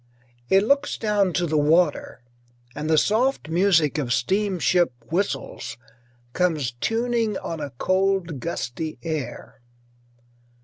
It looks down to the water, and the soft music of steamship whistles comes tuning on a cold, gusty air.